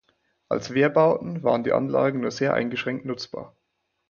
Als Wehrbauten waren die Anlagen nur sehr eingeschränkt nutzbar.